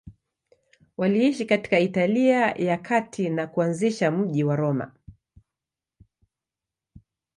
Waliishi katika Italia ya Kati na kuanzisha mji wa Roma.